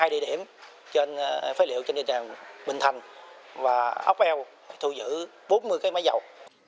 hai địa điểm trên phế liệu trên địa trang bình thành và ốc eo thu giữ bốn mươi cái máy dầu